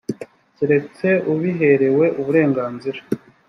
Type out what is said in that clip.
keretse ubiherewe uburenganzira